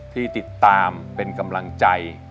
ที่ติดตามเป็นกำลังใจ